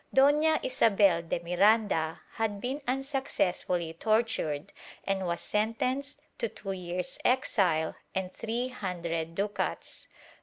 Dona Isabel de Miranda had been unsuccessfully tortured and was sentenced to two years' exile and three hundred ducats.